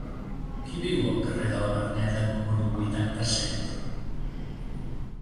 Qui viu al carrer de la Verneda número vuitanta-set?